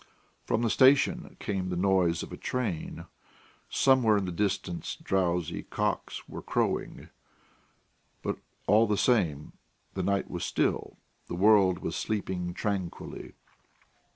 From the station came the noise of a train; somewhere in the distance drowsy cocks were crowing; but, all the same, the night was still, the world was sleeping tranquilly.